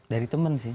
dari temen sih